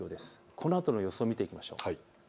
このあとの予想を見ていきましょう。